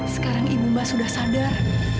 sekarang ibu mbak sudah sadar